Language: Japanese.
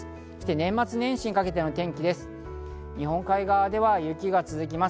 年末年始にかけての天気です。